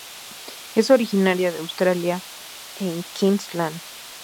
Es originaria de Australia en Queensland.